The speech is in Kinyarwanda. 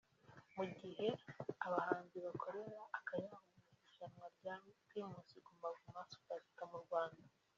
Mu gihe abahanzi bakorera akayabo mu irushanwa rya Primus Guma Guma Super Star mu Rwanda